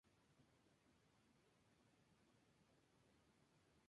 Miguel Madariaga resumió su primera temporada con un "no ha dado pie con bola".